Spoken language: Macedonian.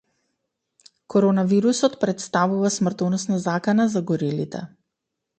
Коронавирусот претставува смртоносна закана за горилите